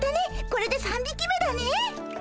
これで３びき目だね。